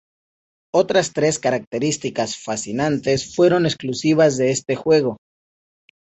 Otras tres características fascinantes fueron exclusivas de este juego.